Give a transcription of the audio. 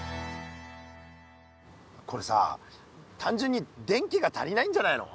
これさあたんじゅんに電気が足りないんじゃないの？